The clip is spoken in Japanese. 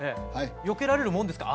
よけられるもんですか？